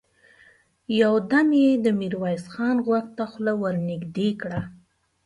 يودم يې د ميرويس خان غوږ ته خوله ور نږدې کړه!